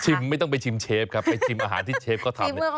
ชิมไม่ต้องไปชิมเชฟครับไปชิมอาหารที่เชฟก็ทำ